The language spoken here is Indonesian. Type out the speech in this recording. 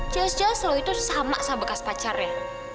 jelas jelas lo itu sama sama bekas pacarnya